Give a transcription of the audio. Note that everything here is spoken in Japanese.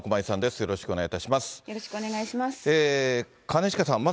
よろしくお願いします。